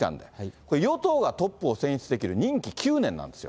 これ、与党がトップを選出できる、任期９年なんですよ。